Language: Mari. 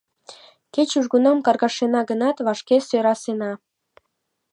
— Кеч южгунам каргашена гынат, вашке сӧрасена.